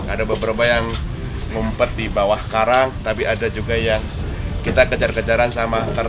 ada beberapa yang ngumpet di bawah karang tapi ada juga yang kita kejar kejaran sama